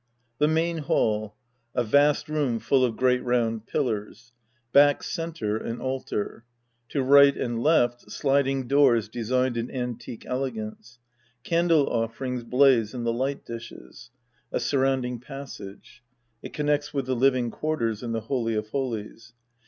{^he main hall. A vast room full of great round pillars. Back center, an altar. To right and left, sliding doors designed in antique elegance. Candle offerings blaze in the light dishes. A surrounding passage. It connects with the living quarters and the holy of holies.